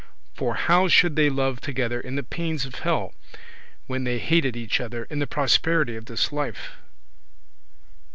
For how should they love together in the pains of hell, when they hated each other in the prosperity of this life?